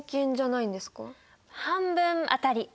半分当たり！